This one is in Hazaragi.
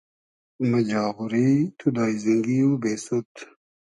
مۂ جاغوری تو داݷزینگی و بېسود